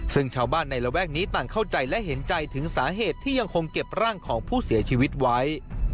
ซึ่งชาวบ้านในระแวกนี้ต่างเข้าใจและเห็นใจถึงสาเหตุที่ยังคงเก็บร่างของผู้เสียชีวิตไว้